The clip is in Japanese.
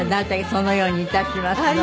そのようにいたしますので。